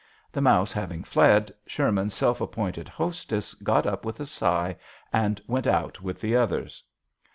The mouse having fled, Sher man's self appointed hostess got up with a sigh and went out with the others.